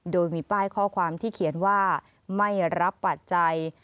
โดยมีป้ายข้อความที่เขียนว่าไม่รับปัจจัย